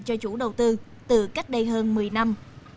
cho chủ đầu tư từ cách đây hơn một mươi năm